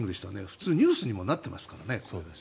普通ニュースにもなってますからね。